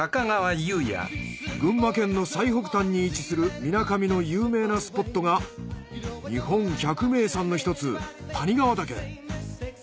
群馬県の最北端に位置するみなかみの有名なスポットが日本百名山のひとつ谷川岳。